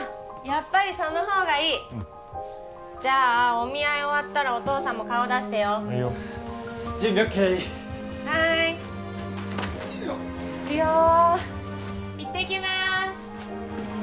やっぱりその方がいいうんじゃあお見合い終わったらお父さんも顔出してよはいよ準備ＯＫはいよっ行くよ行ってきます